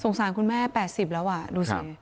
สารคุณแม่๘๐แล้วดูสิ